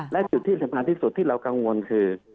และจุดที่สำคัญที่สุดที่เรากังวลคือ